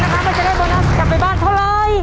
ว่าจะได้โบนัสกลับไปบ้านเท่าไร